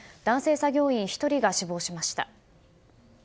作業員１人が死亡しました。